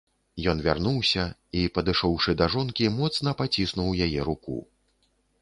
Ён вярнуўся і, падышоўшы да жонкі, моцна паціснуў яе руку.